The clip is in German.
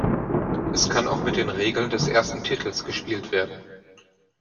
Es kann auch mit den Regeln des ersten Titels gespielt werden.